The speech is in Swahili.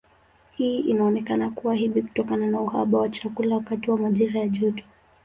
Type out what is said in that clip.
Hii inaonekana kuwa hivi kutokana na uhaba wa chakula wakati wa majira ya joto.